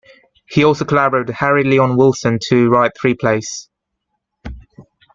He also collaborated with Harry Leon Wilson to write three plays.